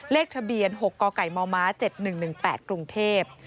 เลขทะเบียน๖กกมม๗๑๑๘กรุงเทพฯ